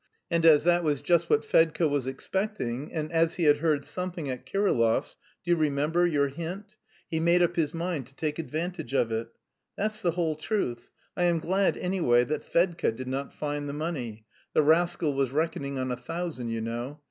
And as that was just what Fedka was expecting, and as he had heard something at Kirillov's (do you remember, your hint?) he made up his mind to take advantage of it. That's the whole truth. I am glad, anyway, that Fedka did not find the money, the rascal was reckoning on a thousand, you know!